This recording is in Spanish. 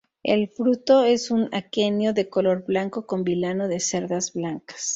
El fruto es un aquenio de color blanco con vilano de cerdas blancas.